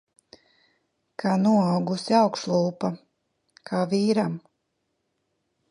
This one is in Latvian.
Kā noaugusi augšlūpa. Kā vīram.